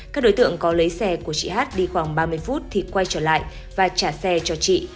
các đối tượng có lấy xe của chị hát đi khoảng ba mươi phút thì quay trở lại và trả xe cho chị